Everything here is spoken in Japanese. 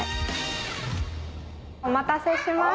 お待たせしました。